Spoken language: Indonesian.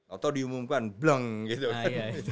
atau diumumkan blong gitu kan